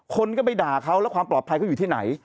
คนก็ไปด่าเขาแล้วความปลอดภัยเขาอยู่ที่ไหน